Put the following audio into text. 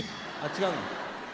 違うの？